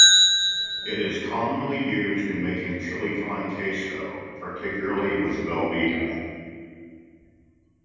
It is commonly used in making chili con queso, particularly with Velveeta.